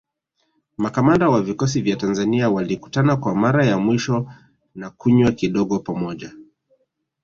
Makamanda wa vikosi vya Tanzania walikutana kwa mara ya mwisho na kunywa kidogo pamoja